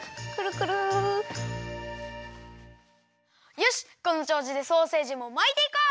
よしこのちょうしでソーセージもまいていこう！